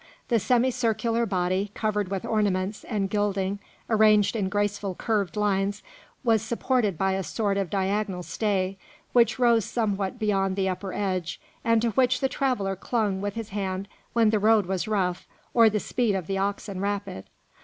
The semicircular body, covered with ornaments and gilding arranged in graceful curved lines, was supported by a sort of diagonal stay, which rose somewhat beyond the upper edge and to which the traveller clung with his hand when the road was rough or the speed of the oxen rapid.